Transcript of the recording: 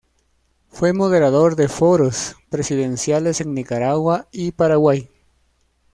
Fue moderador de Foros Presidenciales en Nicaragua y Paraguay.